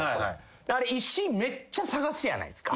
あれ石めっちゃ探すやないですか。